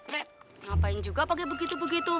ngapain juga pake begitu begitu